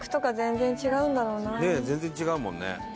全然違うもんね